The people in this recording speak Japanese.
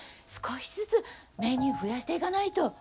少しずつメニュー増やしていかないと。